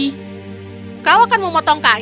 dan kita akan punya cukup uang untuk sekolahku lagi